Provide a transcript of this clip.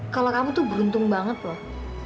kalau kamu tuh beruntung banget loh